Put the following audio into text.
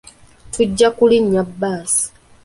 Tujja kulinnya bbaasi.